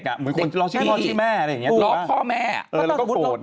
เหมือนคนร้องชีวิตแม่ร้องพ่อแม่แล้วก็โกรธ